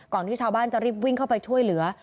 ที่ชาวบ้านจะรีบวิ่งเข้าไปช่วยเหลือ